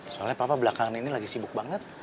soalnya papa belakangan ini lagi sibuk banget